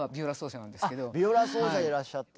あっビオラ奏者でいらっしゃった。